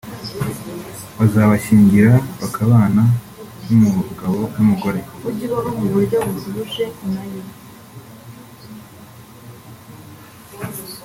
bazabashyingira bakabana nk’umugabo n’umugore